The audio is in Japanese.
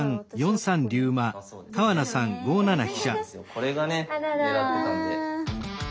これがね狙ってたので。